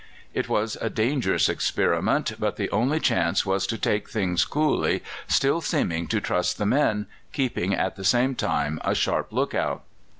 It was a dangerous experiment, but the only chance was to take things coolly, still seeming to trust the men, keeping at the same time a sharp look out.